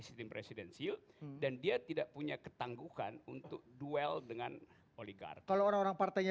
sistem presidensil dan dia tidak punya ketangguhkan untuk duel dengan oligarki orang orang partainya